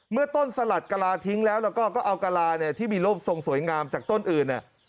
เมื่อต้นสลัดกะลาทิ้งแล้วแล้วก็เอากะลาที่มีโลภทรงสวยงามจากต้นอื่น